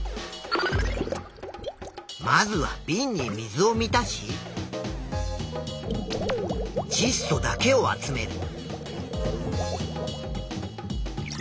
まずはびんに水を満たしちっ素だけを集める。